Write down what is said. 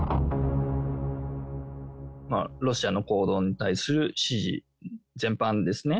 ロシアの行動に対する支持全般ですね。